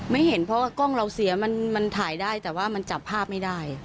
เห็นเพราะว่ากล้องเราเสียมันถ่ายได้แต่ว่ามันจับภาพไม่ได้